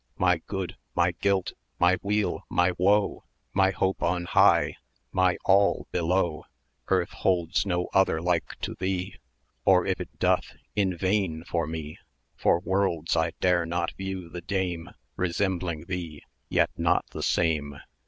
My good, my guilt, my weal, my woe, My hope on high my all below. Each holds no other like to thee, Or, if it doth, in vain for me: For worlds I dare not view the dame Resembling thee, yet not the same.